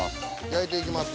焼いていきます